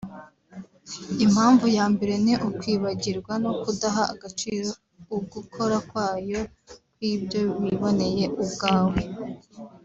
Impamvu ya mbere ni Ukwibagirwa no kudaha agaciro ugukora kwayo kw’ibyo wiboneye ubwawe